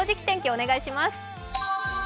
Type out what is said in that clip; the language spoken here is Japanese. お願いします。